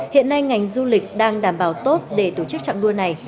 hiện nay ngành du lịch đang đảm bảo tốt để tổ chức trạng đua này